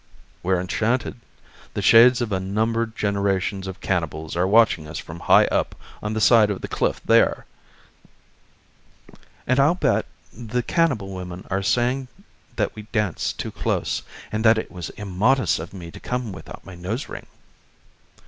"We're enchanted. The shades of unnumbered generations of cannibals are watching us from high up on the side of the cliff there." "And I'll bet the cannibal women are saying that we dance too close, and that it was immodest of me to come without my nose ring."